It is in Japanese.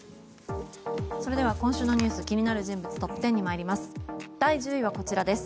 それでは今週のニュース気になる人物トップ１０に参ります。